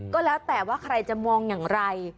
ก็แล้วแต่ว่าใครจะมองอย่างไร